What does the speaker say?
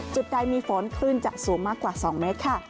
จุดใดมีฝนคลื่นจะสูงมากกว่า๒เมตรค่ะ